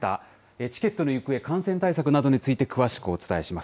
チケットの行方、感染対策などについて、詳しくお伝えします。